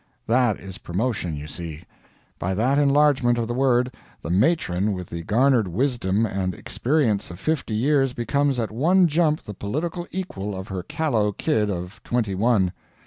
That is promotion, you see. By that enlargement of the word, the matron with the garnered wisdom and experience of fifty years becomes at one jump the political equal of her callow kid of twenty one.